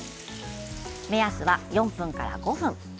目安は４分から５分。